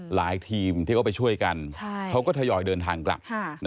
ทีมที่เขาไปช่วยกันเขาก็ทยอยเดินทางกลับ